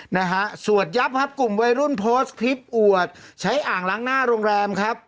นะฮะสวดยับครับกลุ่มวัยรุ่นโพสต์คลิปอวดใช้อ่างล้างหน้าโรงแรมครับ